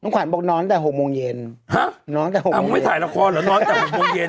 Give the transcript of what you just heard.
น้องขวัญบอกนอนแต่๖โมงเย็นนอนแต่๖โมงเย็น